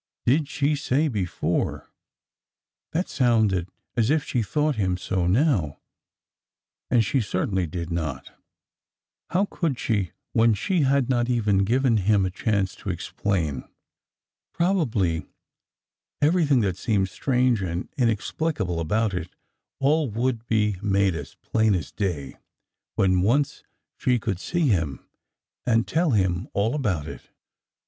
did she say before? That sounded as if she thought him so now,— and she certainly did not. How could she when she had not even given him a chance to explain! Probably everything that seemed strange and inexplicable about it all would be made as plain as day when once she could see him and tell him all about it.